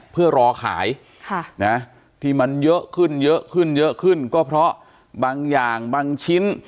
เพื่อรอขายที่มันเยอะขึ้นเยอะขึ้นเยอะขึ้นก็เพราะบางอย่างบางชิ้น